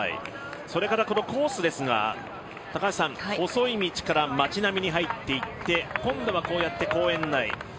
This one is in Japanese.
それから、コースですが細い道から町並みに入っていって今度はこうやって公園内